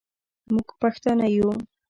موږ پښتانه یو